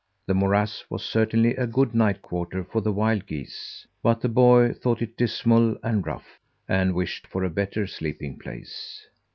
The morass was certainly a good night quarter for the wild geese, but the boy thought it dismal and rough, and wished for a better sleeping place.